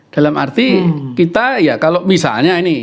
dalam arti kita ya kalau misalnya ini